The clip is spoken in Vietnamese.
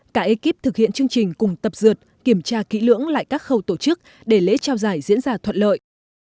cả ekip thực hiện chương trình cùng tập dượt kiểm tra kỹ lưỡng lại các khâu tổ chức để lễ trao giải diễn ra thuận lợi